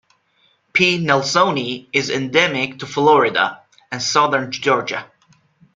"P. nelsoni" is endemic to Florida, and southern Georgia.